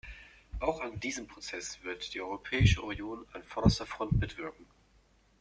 Auch an diesem Prozess wird die Europäische Union an vorderster Front mitwirken.